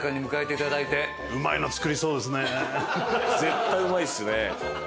絶対うまいですね。